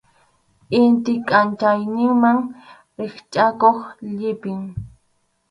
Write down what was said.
Intip kʼanchayninman rikchʼakuq llimpʼi.